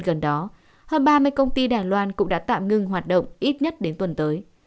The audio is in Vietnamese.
gần đó hơn ba mươi công ty đài loan cũng đã tạm ngưng hoạt động ít nhất đến tuần tới